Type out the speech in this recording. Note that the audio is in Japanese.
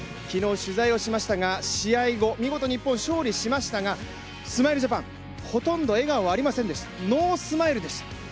昨日取材をしましたが、試合後、見事日本、勝利しましたが、スマイルジャパン、ほとんど笑顔ありませんでした、ノースマイルでした。